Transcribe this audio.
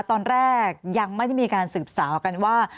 ตอนแรกยังไม่ได้มีการสืบสาวกันว่า